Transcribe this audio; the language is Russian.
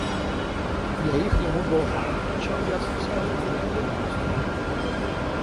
«Я их ему должен», – отвечал я со всевозможной холодностию.